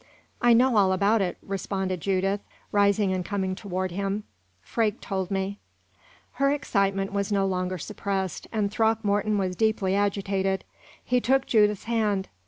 "I know all about it," responded Judith, rising and coming toward him; "Freke told me." Her excitement was no longer suppressed, and Throckmorton was deeply agitated. He took Judith's hand.